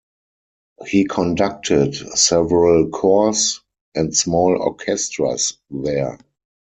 He conducted several choirs and small orchestras there.